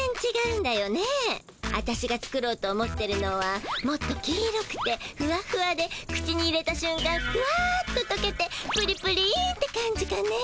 アタシが作ろうと思ってるのはもっと黄色くてふわふわで口に入れたしゅんかんふわっととけてプリプリンって感じかね。